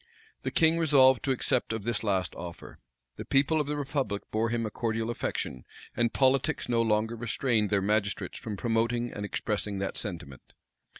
The king resolved to accept of this last offer. The people of the republic bore him a cordial affection; and politics no longer restrained their magistrates from promoting and expressing that sentiment.